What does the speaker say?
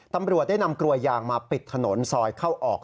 ตำรวจได้นำกลวยยางมาปิดถนนซอยเข้าออก